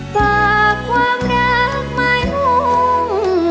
ฝากความรักไม้มุ่ง